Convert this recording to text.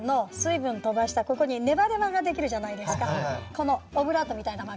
このオブラートみたいな膜。